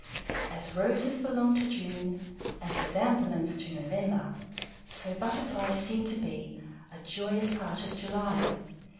As roses belong to June, and chrysanthemums to November, so Butterflies seem to be a joyous part of July.